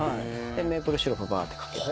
メープルシロップばーって掛けて。